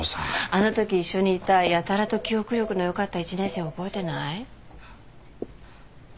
あのとき一緒にいたやたらと記憶力の良かった１年生覚えてない？